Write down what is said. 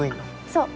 そう。